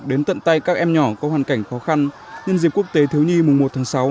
đến tận tay các em nhỏ có hoàn cảnh khó khăn nhân dịp quốc tế thiếu nhi mùng một tháng sáu